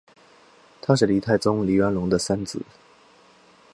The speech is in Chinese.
他是黎太宗黎元龙的三子。